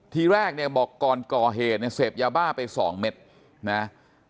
ทีแรกเนี่ยบอกก่อนก่อเหตุเนี่ยเสพยาบ้าไปสองเม็ดนะ